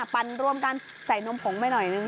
ปั่นร่วมกันใส่นมผงไปหน่อยนึง